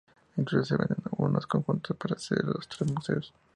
Incluso se venden bonos conjuntos para acceder a los tres museos.